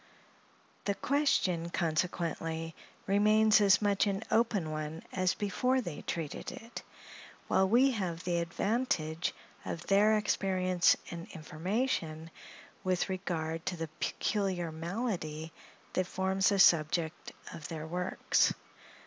The question, consequently, remains as much an open one as before they treated it; while we have the advantage of their experience and information, with regard to the peculiar malady that forms the subject of their works.